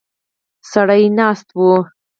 سړی ناست و.